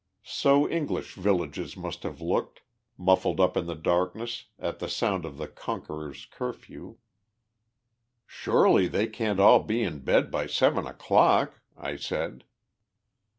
So English villages must have looked, muffled up in darkness, at the sound of the Conqueror's curfew. "Surely, they can't all be in bed by seven o'clock?" I said.